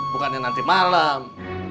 bukannya nanti malem